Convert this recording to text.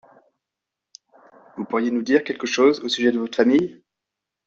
Vous pourriez nous dire quelque chose au sujet de votre famille ?